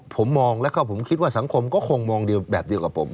ผมมองแล้วก็ผมคิดว่าสังคมก็คงมองเดียวแบบเดียวกับผม